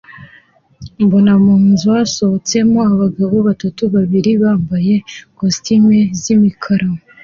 mbona munzu hasohotsemo abagabo batatu babiri bambaye costume zimikara